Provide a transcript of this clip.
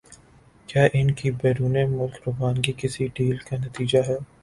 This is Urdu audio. کیا ان کی بیرون ملک روانگی کسی ڈیل کا نتیجہ ہے؟